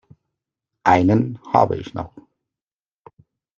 Einen habe ich noch.